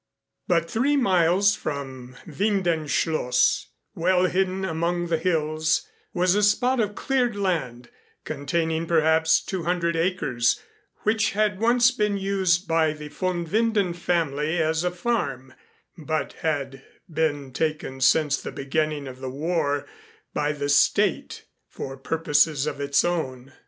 But three miles from Winden Schloss well hidden among the hills was a spot of cleared land containing perhaps two hundred acres which had been once used by the von Winden family as a farm, but had been taken since the beginning of the war by the State for purposes of its own.